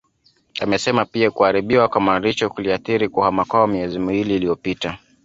Amesema pia kuharibiwa kwa malisho kuliathiri kuhama kwao miezi miwili iliyopita